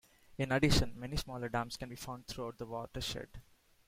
In addition, many smaller dams can be found throughout the watershed.